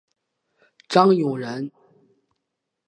张永人。